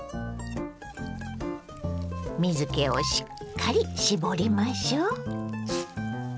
水けをしっかり絞りましょう。